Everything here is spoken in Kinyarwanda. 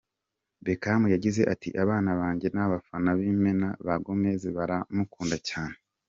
Beckham yagize ati: “Abana banjye ni abafana b’imena ba Gomez, baramukunda cyane.